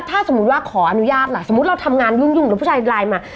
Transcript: ถ้าสมมุติว่าขออนุญาตล่ะสมมุติเราทำงานยุ่งแล้วผู้ชายไลน์มา